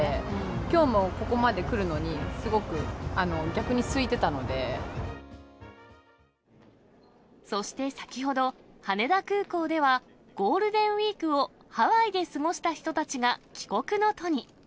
きょうもここまで来るのに、そして先ほど、羽田空港では、ゴールデンウィークをハワイで過ごした人たちが帰国の途に。